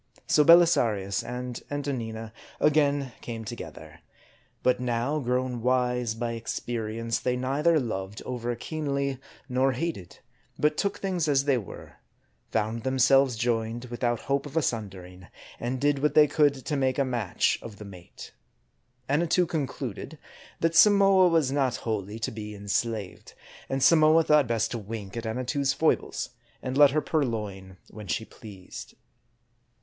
So Belisarius and Antonina again came together. But now, grown wise by experience, they neither loved over keenly, nor hated ; but MARDI. 103 took things as they were ; found themselves joined, without hope of a sundering, arid did what they could to make a match of the mate. Annatoo concluded that Samoa was not wholly to be enslaved ; and Samoa thought best to wink at Annatoo's foibles, and let her purloin when she pleased.